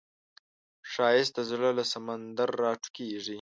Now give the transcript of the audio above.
ښایست د زړه له سمندر راټوکېږي